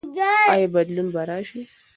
ایا بدلون به راسي؟